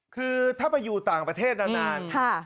คือถ้าไปอยู่ต่างประเทศนาน